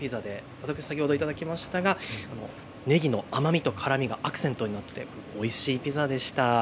私、先ほど、頂いたんですが、ねぎの辛みと甘みがアクセントになっておいしいピザでした。